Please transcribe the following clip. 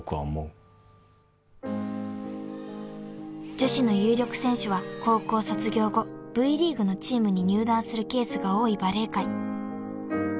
［女子の有力選手は高校卒業後Ｖリーグのチームに入団するケースが多いバレー界］